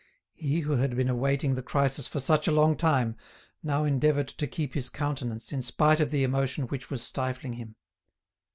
He, who had been awaiting the crisis for such a long time, now endeavoured to keep his countenance, in spite of the emotion which was stifling him.